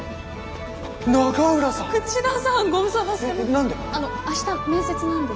何で！？